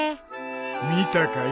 見たかい？